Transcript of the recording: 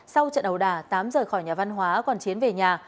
sau trận ẩu đà tám rời khỏi nhà văn hóa còn chiến về nhà